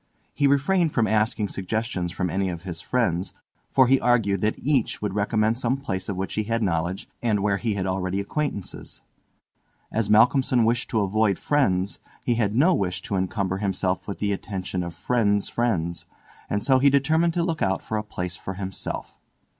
He refrained from asking suggestions from any of his friends, for he argued that each would recommend some place of which he had knowledge, and where he had already acquaintances. As Malcolmson wished to avoid friends he had no wish to encumber himself with the attention of friends' friends, and so he determined to look out for a place for himself.